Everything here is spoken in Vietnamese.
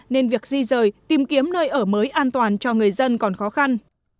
nên việc di rời tìm kiếm nơi ở mới an toàn cho người dân còn khó khăn